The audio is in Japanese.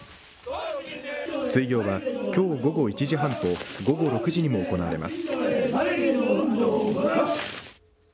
水行はきょう午後１時半と午後６時にも行われます。